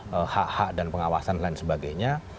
dan menghilangkan hak hak dan pengawasan lain sebagainya